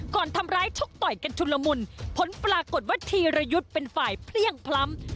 ก่อนทำร้ายชกต่อยกันชุนละมุนผลปรากฏว่าธีรยุทธ์เป็นฝ่ายเพลี่ยงพล้ำ